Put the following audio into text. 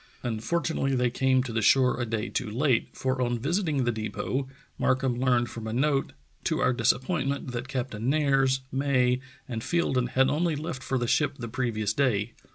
Unfortunately they came to the shore a day too late, for on visiting the depot Markham learned from a note to our disappointment that Captain Nares, May, and Fielden had only left for the ship the previous day.